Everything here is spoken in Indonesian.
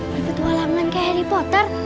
berpetualangan kayak harry potter